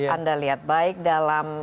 anda lihat baik dalam